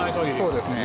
そうですね。